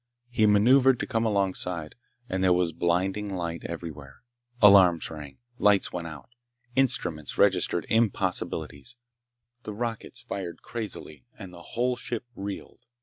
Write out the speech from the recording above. He maneuvered to come alongside, and there was blinding light everywhere. Alarms rang. Lights went out. Instruments registered impossibilities, the rockets fired crazily, and the whole ship reeled.